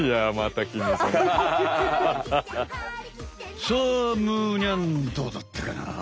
さあむーにゃんどうだったかな？